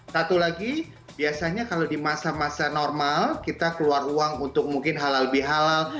satu lagi biasanya kalau di masa masa normal kita keluar ruang untuk mungkin halal bihalal